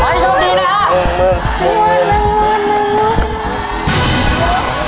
ขอให้โชคดีนะคะ